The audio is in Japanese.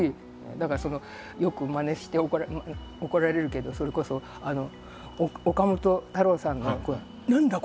だからよくまねして怒られるけどそれこそ岡本太郎さんの「何だ！？